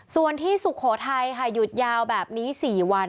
ส่วนที่ศุโขทัยหยุดแยวแบบนี้สี่วัน